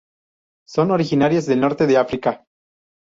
Son originarias del Norte de África.